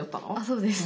そうです。